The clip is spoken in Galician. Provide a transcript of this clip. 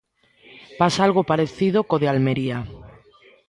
Pasa algo parecido co de Almería.